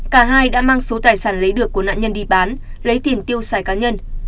cả hai đã mang số tài sản lấy được của nạn nhân đi bán lấy tiền tiêu xài cá nhân